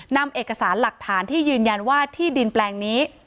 นำเอกสารหลักฐานที่ยืนยันว่าที่ดินแปลงนี้